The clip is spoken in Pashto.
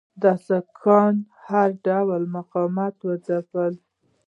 د سیکهانو هر ډول مقاومت وځپي.